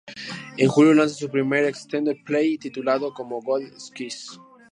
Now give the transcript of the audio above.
En julio lanza su primer extended play titulado como Gold Skies.